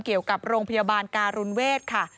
เกี่ยวกับโรงพยาบาลการุณเวศค่ะ